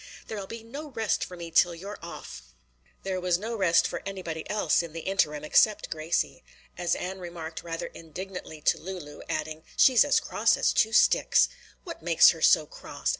There'll be no rest for me now till you're off." There was no rest for anybody else in the interim except Gracie. As Ann remarked rather indignantly to Lulu, adding, "She's as cross as two sticks." "What makes her so cross?"